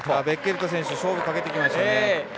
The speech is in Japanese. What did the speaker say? ベッケルト選手勝負かけてきましたね。